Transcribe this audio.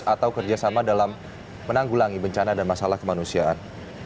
atau kerjasama dalam menanggulangi bencana dan masalah kemanusiaan